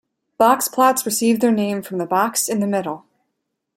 Box plots received their name from the box in the middle.